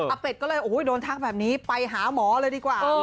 เป็ดก็เลยโดนทักแบบนี้ไปหาหมอเลยดีกว่า